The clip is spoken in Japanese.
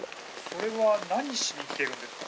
それは何しに来てるんですか？